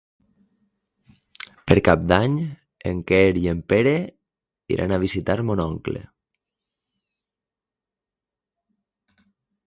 Per Cap d'Any en Quer i en Pere iran a visitar mon oncle.